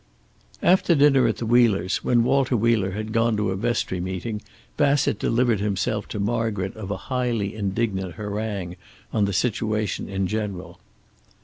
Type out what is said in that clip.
After dinner at the Wheelers', when Walter Wheeler had gone to a vestry meeting, Bassett delivered himself to Margaret of a highly indignant harangue on the situation in general.